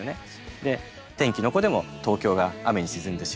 で「天気の子」でも東京が雨にしずんでしまう。